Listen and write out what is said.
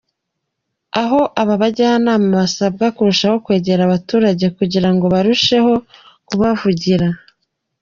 Aho aba bajyanama basabwe kurushaho kwegera abaturage kugira ngo barusheho kubavugira.